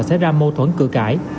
sẽ ra mâu thuẫn cửa cải